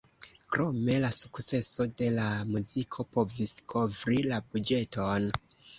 Krome, la sukceso de la muziko povis kovri la buĝeton.